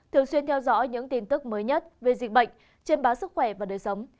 thường xuyên theo dõi những tin tức mới nhất về dịch bệnh trên bá sức khỏe và đời sống